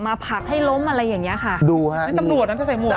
มาผักให้ล้มอะไรอย่างเงี้ยค่ะดูฮะนี่ตำรวจน่ะเธอใส่หมวกน่ะ